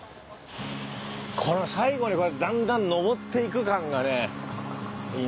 この最後にだんだん上っていく感がねいい。